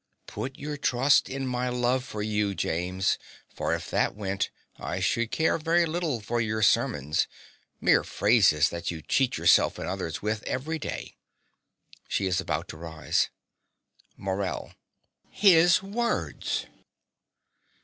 Put your trust in my love for you, James, for if that went, I should care very little for your sermons mere phrases that you cheat yourself and others with every day. (She is about to rise.) MORELL. HIS words!